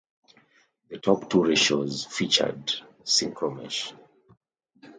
The top two ratios featured synchromesh.